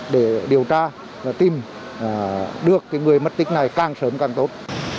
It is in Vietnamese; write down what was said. để điều tra và tìm được người mất tích này càng sớm càng tốt